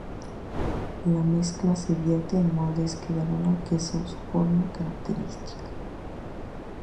La mezcla se vierte en moldes que darán al queso su forma característica.